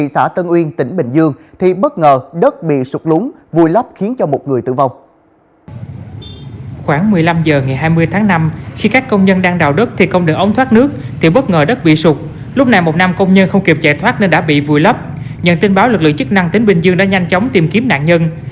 sẽ tiếp tục gửi tới quý vị và các bạn